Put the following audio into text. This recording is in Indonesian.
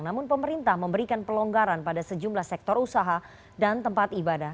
namun pemerintah memberikan pelonggaran pada sejumlah sektor usaha dan tempat ibadah